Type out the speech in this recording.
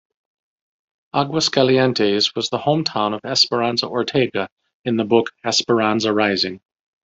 Aguascalientes was the hometown of Esperanza Ortega in the book "Esperanza Rising".